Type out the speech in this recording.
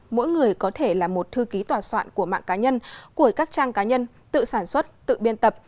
mỗi người có thể là một thư ký tòa soạn của mạng cá nhân của các trang cá nhân tự sản xuất tự biên tập